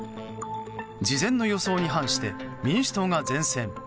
事前の予想に反して民主党が善戦。